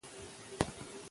فکر وکړئ او لاره ومومئ.